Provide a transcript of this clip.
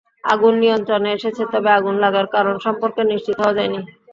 আগুন নিয়ন্ত্রণে এসেছে, তবে আগুন লাগার কারণ সম্পর্কে নিশ্চিত হওয়া যায়নি।